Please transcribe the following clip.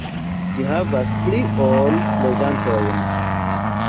Ĝi havas pli ol loĝantojn.